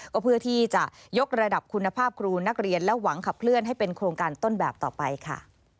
ก็เพื่อที่จะยกระดับคุณภาพครูนักเรียนและหวังขับเคลื่อนให้เป็นโครงการต้นแบบต่อไปค่ะ